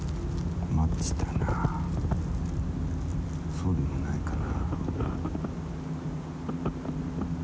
そうでもないかな。